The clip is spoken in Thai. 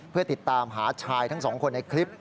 เพื่อติดตามหาชายทั้งสองคนในคลิป